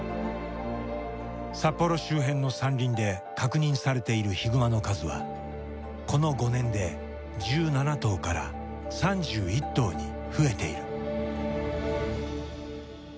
札幌周辺の山林で確認されているヒグマの数はこの５年で１７頭から３１頭に増えている。